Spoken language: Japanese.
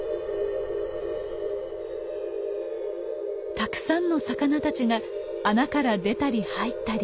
たくさんの魚たちが穴から出たり入ったり。